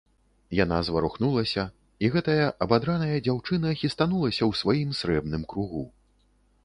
Яна зварухнулася, і гэтая абадраная дзяўчына хістанулася ў сваім срэбным кругу.